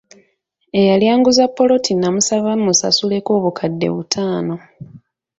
Eyali anguza ppoloti namusaba musasuleko obukadde butaano.